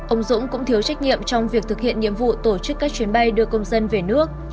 ông dũng cũng thiếu trách nhiệm trong việc thực hiện nhiệm vụ tổ chức các chuyến bay đưa công dân về nước